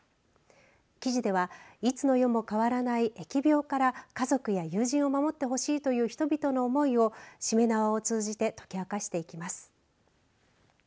記事では、いつの世も変わらない疫病から家族や友人を守ってほしいという人々の思いをしめ縄を通じて解き明かしていきます。